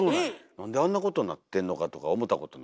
なんであんなことになってんのかとか思たことない？